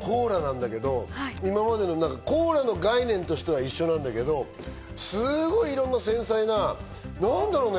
コーラなんだけど、コーラの概念としては一緒なんだけど、すごくいろんな繊細な、何だろうね。